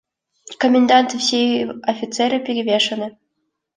Комендант и все офицеры перевешаны.